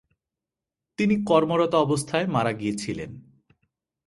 তিনি কর্মরত অবস্থায় মারা গিয়েছিলেন।